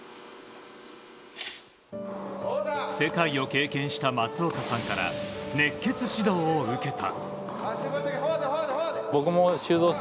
世界を経験した松岡さんから熱血指導を受けた。